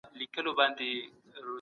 بد چلند مه کوئ.